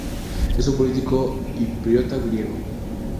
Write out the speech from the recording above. Es un político chipriota griego.